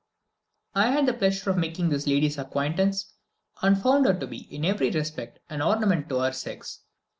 I had the pleasure of making this lady's acquaintance, and found her to be, in every respect, an ornament to her sex.